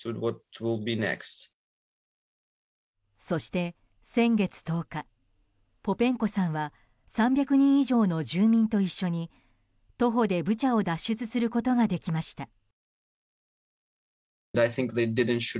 そして先月１０日ポペンコさんは３００人以上の住民と一緒に徒歩でブチャを脱出することができました。